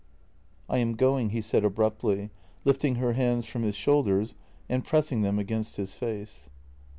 " I am going," he said abruptly, lifting her hands from his shoulders and pressing them against his face.